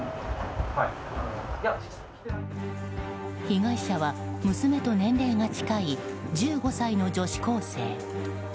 被害者は、娘と年齢が近い１５歳の女子高生。